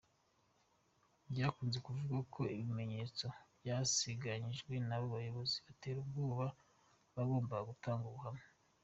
Byakunze kuvugwa ko ibimenyetso byasibanganyijwe n’abo bayobozi batera ubwoba abagombaga gutanga ubuhamya.